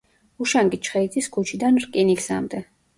უშანგი ჩხეიძის ქუჩიდან რკინიგზამდე.